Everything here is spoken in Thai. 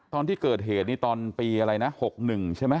ตอนที่เกิดเหตุนี่ตอนปีอะไรนะ๖๑ใช่ไหม